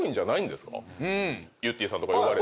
ゆってぃさんとか呼ばれて。